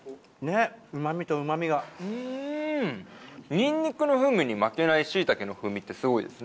ニンニクの風味に負けない椎茸の風味ってすごいですね。